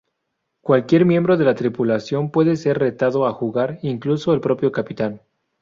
Cualquier miembro de la tripulación puede ser retado a jugar, incluso el propio capitán.